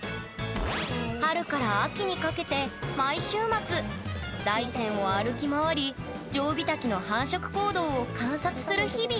春から秋にかけて毎週末大山を歩き回りジョウビタキの繁殖行動を観察する日々。